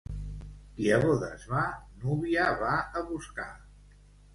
Qui a bodes va, núvia va a buscar.